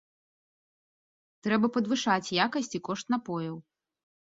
Трэба падвышаць якасць і кошт напояў.